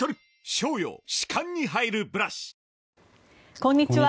こんにちは。